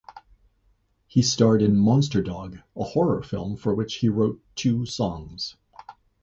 He starred in "Monster Dog", a horror film for which he wrote two songs.